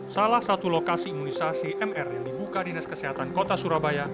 salah satu lokasi imunisasi mr yang dibuka dinas kesehatan kota surabaya